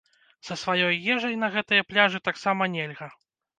Са сваёй ежай на гэтыя пляжы таксама нельга.